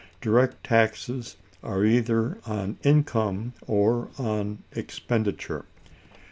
Direct taxes are either on income or on expenditure.